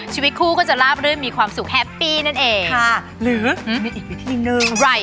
ชีวิตคู่ก็จะราบรื่นมีความสุขแฮปปี้นั่นเอง